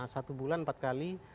satu bulan empat kali